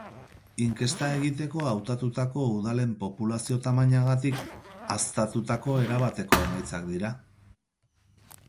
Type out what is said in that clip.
Inkesta egiteko hautatutako udalen populazio-tamainagatik haztatutako erabateko emaitzak dira.